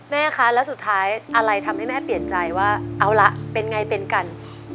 แม่คะแล้วสุดท้ายอะไรทำให้แม่เปลี่ยนใจว่าเอาละเป็นไงเป็นกัน